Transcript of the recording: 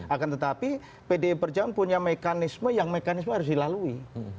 akan tetapi pdi perjuangan punya mekanisme yang mekanisme harus dilalui